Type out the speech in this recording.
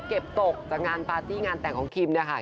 เก็บตกจากงานปาร์ตี้งานแต่งของคิมเนี่ยค่ะ